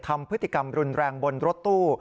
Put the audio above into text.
ทำพฤติกรรมรุนแรงบนรถตู้